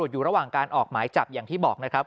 อยู่ระหว่างการออกหมายจับอย่างที่บอกนะครับ